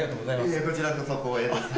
いえこちらこそ光栄です。